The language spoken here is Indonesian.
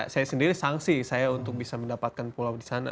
saya sendiri sangsi untuk bisa mendapatkan pulau di sana